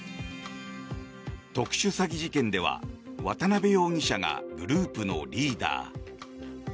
特殊詐欺事件では渡邉容疑者がグループのリーダー。